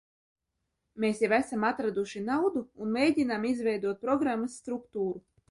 Mēs jau esam atraduši naudu un mēģinām izveidot programmas struktūru.